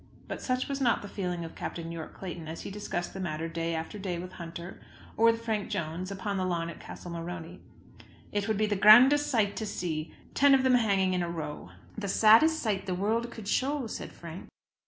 But such was not the feeling of Captain Yorke Clayton as he discussed the matter, day after day, with Hunter, or with Frank Jones, upon the lawn at Castle Morony. "It would be the grandest sight to see, ten of them hanging in a row." "The saddest sight the world could show," said Frank.